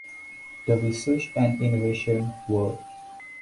The research and innovation world.